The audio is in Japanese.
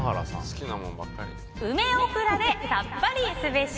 梅オクラでさっぱりすべし。